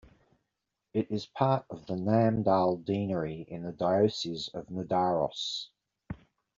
It is part of the Namdal deanery in the Diocese of Nidaros.